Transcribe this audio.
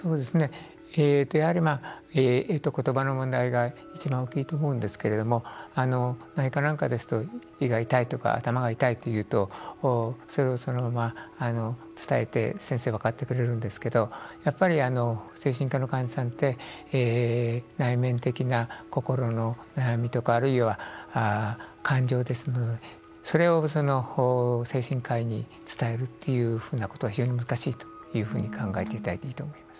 やはり、言葉の問題が一番大きいと思うんですけれども内科なんかですと、胃が痛いとか頭が痛いと言うとそれをそのまま伝えて先生、分かってくれるんですけどやっぱり、精神科の患者さんって内面的な心の悩みとかあるいは感情ですのでそれを精神科医に伝えるっていうふうなことは非常に難しいというふうに考えていただいていいと思います。